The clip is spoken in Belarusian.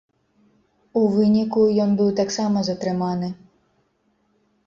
У выніку, ён быў таксама затрыманы.